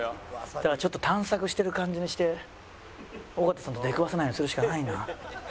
だからちょっと探索してる感じにして尾形さんと出くわさないようにするしかないな。